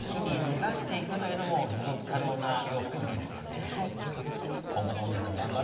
地域に根ざしていくというのも持続可能な洋服作りですよね。